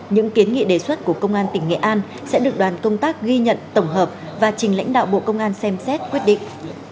những kiến nghị đề xuất của công an tỉnh nghệ an sẽ được đoàn công tác ghi nhận tổng hợp và trình lãnh đạo bộ công an xem xét quyết định